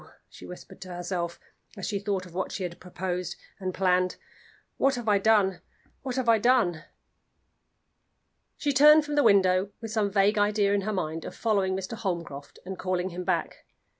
she whispered to herself, as she thought of what she had proposed and planned, "what have I done? what have I done?" She turned from the window with some vague idea in her mind of following Mr. Holmcroft and calling him back.